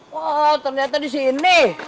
wah ternyata disini